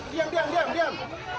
diam diam diam diam